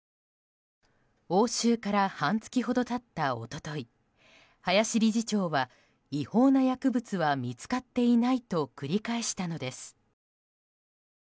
押収から半月ほど経った一昨日林理事長は違法な薬物は見つかっていないと繰り返したのです。